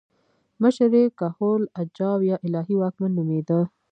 مشر یې کهول اجاو یا الهي واکمن نومېده